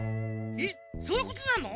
えっそういうことなの？